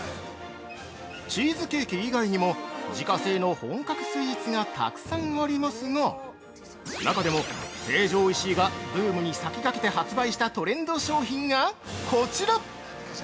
チーズケーキ以外にも自家製の本格スイーツがたくさんありますが、中でも、成城石井がブームに先駆けて発売したトレンド商品が、こちら！